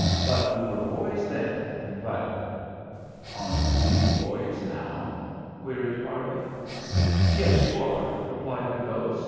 "But we were boys then, and glad of it." "Aren't we boys now?" queried Parley. "Yes, you are," replied the ghost.